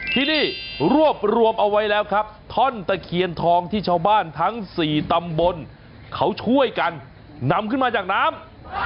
ที่นี่รวบรวมเอาไว้แล้วครับท่อนตะเคียนทองที่ชาวบ้านทั้ง๔ตำบลเขาช่วยกันนำขึ้นมาจากน้ำ